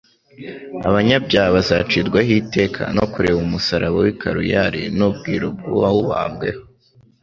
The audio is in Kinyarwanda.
Abanyabyaha bazacirwaho iteka no kureba umusaraba w'i Kaluyari n'ubwiru bw'uwawubambweho.